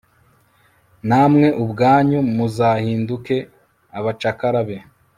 namwe ubwanyu muzahinduke abacakara be